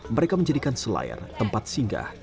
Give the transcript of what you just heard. mereka menjadikan selayar tempat singgah